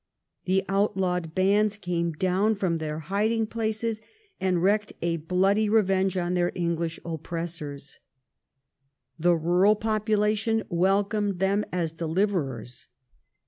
The out lawed bands came down from their hiding places and wreaked a bloody revenge on their English oppressors. The rural population welcomed them as deliverers.